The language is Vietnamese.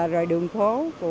và đường phố